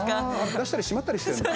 出したりしまったりしてるんだ。